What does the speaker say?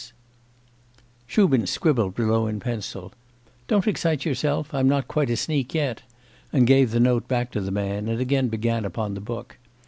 S.' Shubin scribbled below in pencil: 'Don't excite yourself, I'm not quite a sneak yet,' and gave the note back to the man, and again began upon the book.